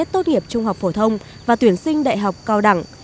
tốt nghiệp trung học phổ thông và tuyển sinh đại học cao đẳng